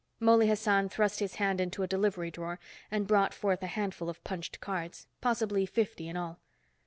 Mouley Hassan thrust his hand into a delivery drawer and brought forth a handful of punched cards, possibly fifty in all.